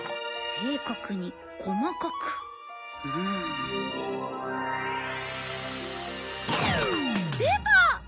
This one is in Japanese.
正確に細かく。出た！